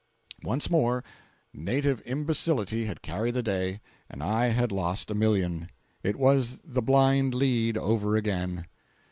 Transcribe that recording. Once more native imbecility had carried the day, and I had lost a million! It was the "blind lead" over again.